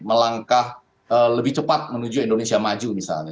melangkah lebih cepat menuju indonesia maju misalnya